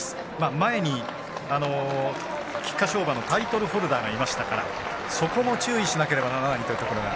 前に菊花賞馬のタイトルホルダーがいましたからそこも注意しなければならないというところで。